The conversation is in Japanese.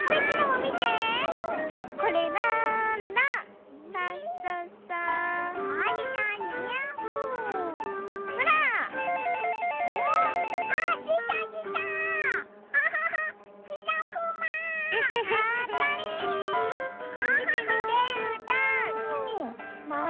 みてみてうーたん。